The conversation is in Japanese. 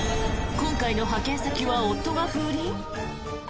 今回の派遣先は夫が不倫？